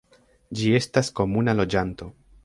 Ĝi estas komuna loĝanto.